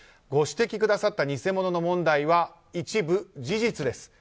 ご指摘くださった偽物の問題は一部、事実です。